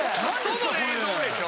・嘘の映像でしょ？